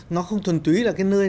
nó không thuần túy là cái nơi